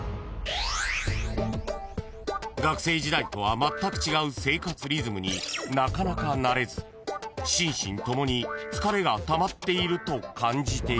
［学生時代とはまったく違う生活リズムになかなか慣れず心身共に疲れがたまっていると感じていた］